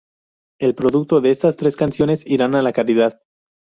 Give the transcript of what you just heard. El producto de estas tres canciones irán a la caridad.